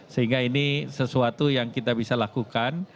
sehingga ini sesuatu yang kita bisa lakukan